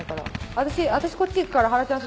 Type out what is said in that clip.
私私こっち行くからハラちゃん